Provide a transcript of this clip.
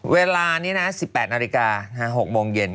เวลานี้นะ๑๘นาฬิกา๖โมงเย็น